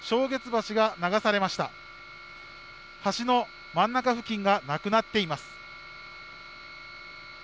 橋の真ん中付近がなくなっています。